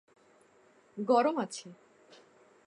গরম আছে।